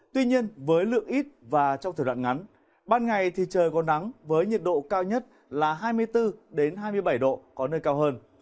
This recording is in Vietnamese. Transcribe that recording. tuy nhiên với lượng ít và trong thời đoạn ngắn ban ngày thì trời có nắng với nhiệt độ cao nhất là hai mươi bốn hai mươi bảy độ có nơi cao hơn